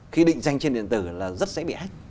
khi định danh trên điện tử là rất dễ bị hách